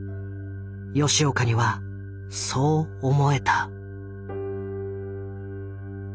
吉岡にはそう思えた。